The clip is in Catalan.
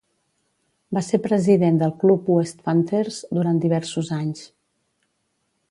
Va ser president del club Wests Panthers durant diversos anys.